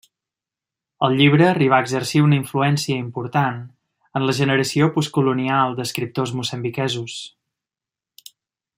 El llibre arribà a exercir una influència important en la generació postcolonial d'escriptors moçambiquesos.